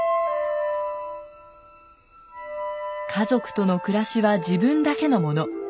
「家族との暮らしは自分だけのもの。